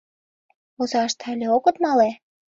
Озашт але огыт мале.